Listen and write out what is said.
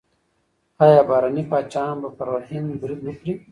ایا بهرني پاچاهان به پر هند برید وکړي؟